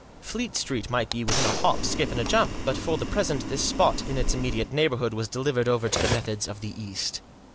Fleet Street might be within a hop, skip, and a jump ; but, for the present, this spot in its immediate neighbourhood was delivered over to the methods of the East.